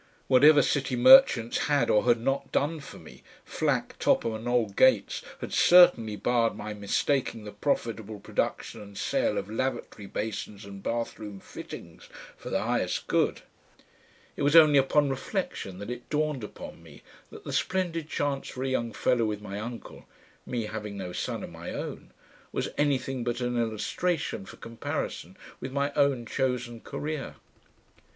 Whatever City Merchants had or had not done for me, Flack, Topham and old Gates had certainly barred my mistaking the profitable production and sale of lavatory basins and bathroom fittings for the highest good. It was only upon reflection that it dawned upon me that the splendid chance for a young fellow with my uncle, "me, having no son of my own," was anything but an illustration for comparison with my own chosen career.